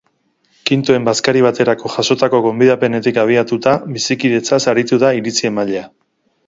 Kintoen bazkari baterako jasotako gonbidapenetik abiatuta, bizikidetzaz aritu da iritzi-emailea.